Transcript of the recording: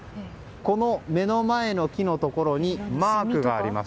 この目の前の木のところにマークがあります。